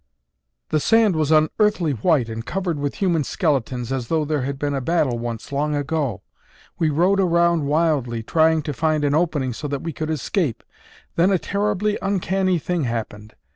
"The sand was unearthly white and covered with human skeletons as though there had been a battle once long ago. We rode around wildly trying to find an opening so that we could escape. Then a terribly uncanny thing happened.